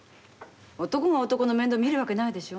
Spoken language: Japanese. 男が男の面倒見るわけないでしょ。